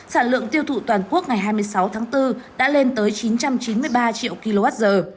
sản lượng tiêu thụ toàn quốc ngày hai mươi sáu tháng bốn đã lên tới chín trăm chín mươi ba triệu kwh